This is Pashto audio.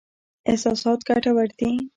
احساسات ګټور دي.